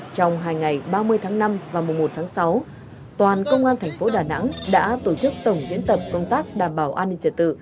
trong hai ngày ba mươi tháng năm và mùa một tháng sáu toàn công an thành phố đà nẵng đã tổ chức tổng diễn tập công tác đảm bảo an ninh trật tự